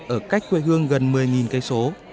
ở cách quê hương gần một mươi km